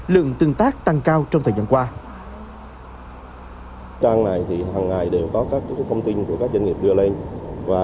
lượng tương tác tăng cao trong thời gian qua